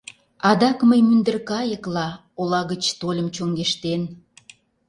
Адак мый мӱндыр кайыкла Ола гыч тольым чоҥештен.